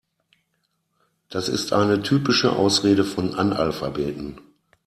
Das ist eine typische Ausrede von Analphabeten.